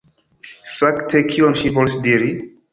Fakte, kion ŝi volis diri?